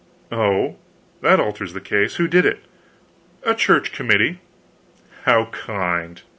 "Oh, that alters the case. Who did it?" "A Church committee." "How kind!"